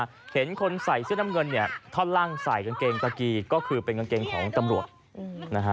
เจ๊กอย่างเขาต้นร่างเห็นคนใส่เสื้อดำเงินท่อนรั่งใส่กางเกงกะกรีก็คือกางเกงของตำรวจ